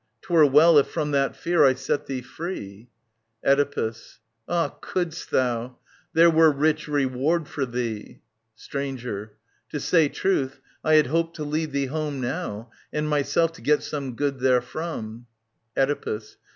'Twere well if from that fear I set thee free. Oedipus. Ah, couldst thou I There were rich reward for thee. Stranger. To say truth, I had hoped to lead thee home Now, and myself to get some good therefrom. Oedipus.